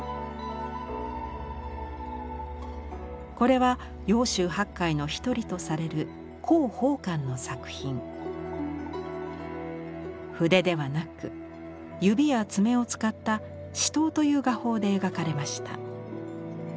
これは揚州八怪の一人とされる筆ではなく指や爪を使った指頭という画法で描かれました。